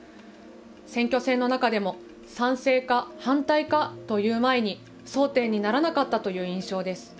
選挙戦の中でも賛成か反対かという前に争点にならなかったという印象です。